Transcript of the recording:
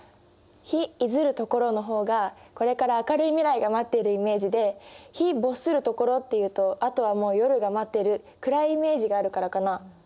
「日出づる処」の方がこれから明るい未来が待っているイメージで「日没する処」っていうとあとはもう夜が待ってる暗いイメージがあるからかな？